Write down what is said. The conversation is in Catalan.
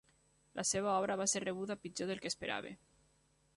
La seva obra va ser rebuda pitjor del que esperava.